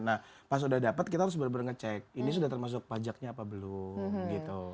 nah pas sudah dapat kita harus benar benar ngecek ini sudah termasuk pajaknya apa belum gitu